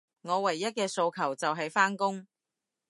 我唯一嘅訴求，就係返工